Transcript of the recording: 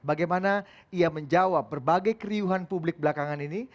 bagaimana ia menjawab berbagai keriuhan publik belakangan ini